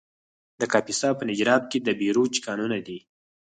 د کاپیسا په نجراب کې د بیروج کانونه دي.